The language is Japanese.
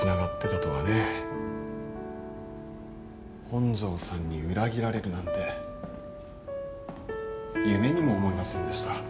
本庄さんに裏切られるなんて夢にも思いませんでした。